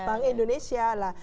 bank indonesia lah